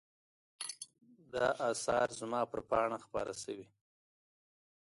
دا آثار زما پر پاڼه خپاره شوي.